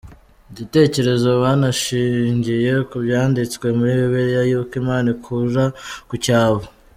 igitekerezo banashingiye ku byanditswe muri Bibiliya y’uko Imana ikura ku cyavu